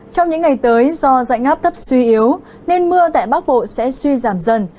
trong những ngày tới do dạnh áp thấp suy yếu nên mưa tại bắc bộ sẽ suy giảm dần